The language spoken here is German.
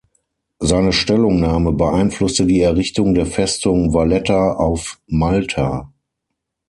Seine Stellungnahme beeinflusste die Errichtung der Festung Valletta auf Malta.